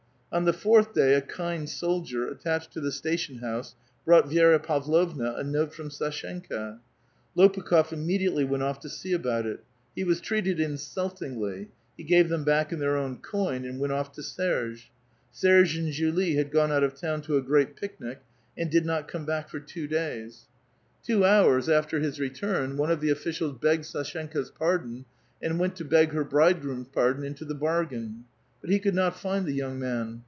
On the fourth day a kind soldier, attached to the station house, brought Vi6ra Pavlovna a note from Sdshenka. Lopukh6f immediately went off to see about it. He was treated in sultingly ; he gave them back in tlieir own coin, and went off to Serge. Serjre and Julie had gone out of town to a gieat picnic, and did not come back for two days. Two A VITAL QUESTION, 183 hours after his return, one of the officials begged Sdshenka's pardon, and went to beg her bridegroom's pardon into the bargain. But he could not find the young man.